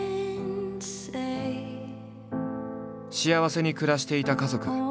幸せに暮らしていた家族。